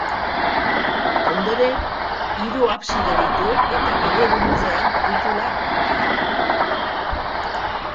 Ondoren hiru abside ditu eta bidegurutzean kupula handia.